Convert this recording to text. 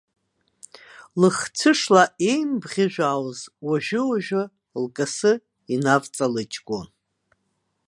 Лыхцәышла еимбӷьыжәаауаз, уажәы-уажәы лкасы инавҵалыџьгәон.